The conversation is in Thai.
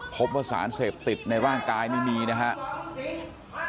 พบว่าสารเสพติดในร่างกายนี่มีนะครับ